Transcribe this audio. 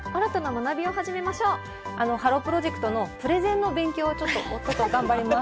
ハロープロジェクトのプレゼンの勉強を夫と頑張ります。